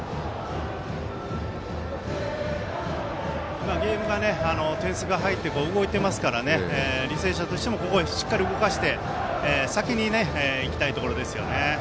今、ゲームが点数が入って動いていますからね履正社としてもここ、しっかり動かして先にいきたいところですよね。